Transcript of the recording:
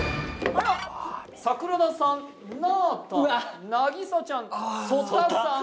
桜田さんなーたんなぎさちゃん曽田さん